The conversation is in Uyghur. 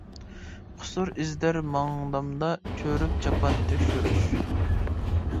قۇسۇر ئىزدەر ماڭدامدا، چۆرۈپ چاپان تەكشۈرۈش.